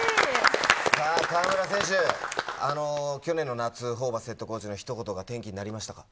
河村選手、去年の夏、ホーバスヘッドコーチのひと言が転機になりましたか？